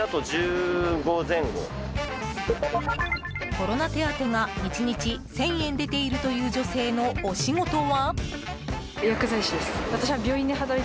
コロナ手当が１日１０００円出ているという女性のお仕事は？